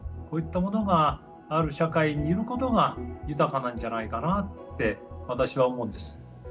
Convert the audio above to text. こういったものがある社会にいることが豊かなんじゃないかなって私は思うんです。